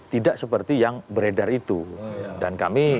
tidak seperti yang beredar itu dan kami